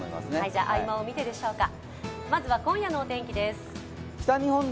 では、合間を見てでしょうか。